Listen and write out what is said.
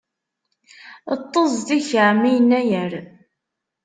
Ṭṭeẓ deg-k a ɛemmi Yennayer!